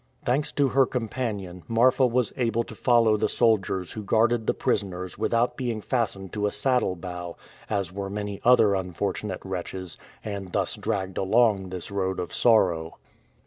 Thanks to her companion, Marfa was able to follow the soldiers who guarded the prisoners without being fastened to a saddle bow, as were many other unfortunate wretches, and thus dragged along this road of sorrow.